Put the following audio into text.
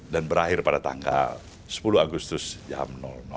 dan berakhir pada tanggal sepuluh agustus jam